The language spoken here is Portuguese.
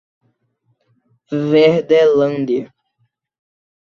Verdelândia